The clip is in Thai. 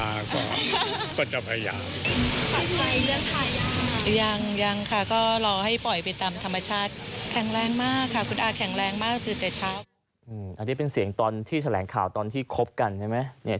อันนี้เป็นเสียงตอนที่แถลงข่าวตอนที่คบกันใช่ไหม